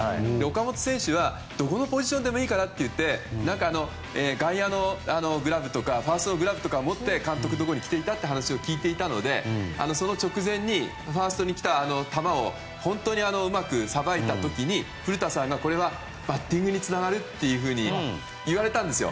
岡本選手はどこのポジションでもいいからって言って外野のグラブとかファーストのグラブを持って監督のところに来ていたという話を聞いていたのでその直前にファーストに来た球を本当にうまくさばいた時に古田さんがこれはバッティングにつながるというふうに言われたんですよ。